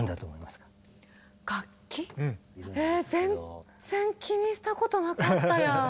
え全然気にしたことなかったや。